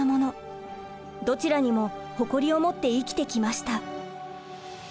どちらにも誇りを持って生きてきました。